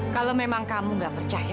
kalau memang kamu nggak percaya